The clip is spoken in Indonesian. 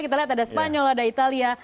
kita lihat ada spanyol ada italia